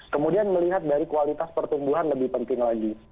kemudian melihat dari kualitas pertumbuhan lebih penting lagi